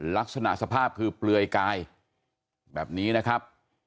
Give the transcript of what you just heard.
ลักษณะสภาพคือเปลือยกายแบบนี้นะครับ